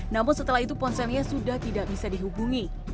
namun setelah itu ponselnya sudah tidak bisa dihubungi